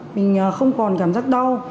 mình không còn cảm giác đau